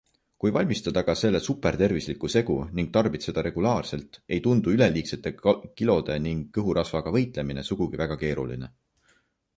Kui valmistad aga selle supertervisliku segu ning tarbid seda regulaarselt, ei tundu üleliigsete kilode ning kõhurasvaga võitlemine sugugi väga keeruline.